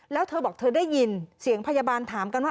แล้วเธอบอกเธอได้ยินเสียงพยาบาลถามกันว่า